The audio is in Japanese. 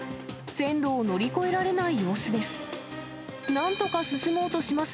線路を乗り越えられない様子です。